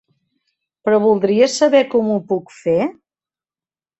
Però voldria saber com ho puc fer?